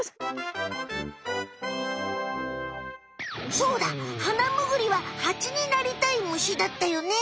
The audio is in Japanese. そうだハナムグリはハチになりたい虫だったよね？